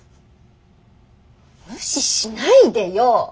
無視しないでよ！